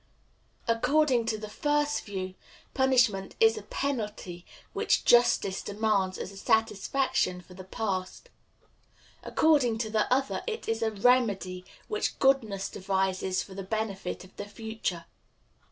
According to the first view, punishment is a penalty which justice demands as a satisfaction for the past. According to the other it is a remedy which goodness devises for the benefit of the future.